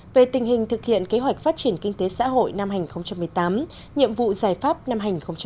về tình hình thực hiện kế hoạch phát triển kinh tế xã hội năm hai nghìn một mươi tám nhiệm vụ giải pháp năm hai nghìn một mươi chín